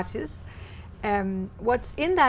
giúp chúng tôi